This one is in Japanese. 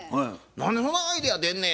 「何でそんなアイデア出んねん？」